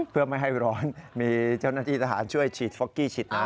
เพื่อไม่ให้ร้อนมีเจ้าหน้าที่ทหารช่วยฉีดฟอกกี้ฉีดน้ำ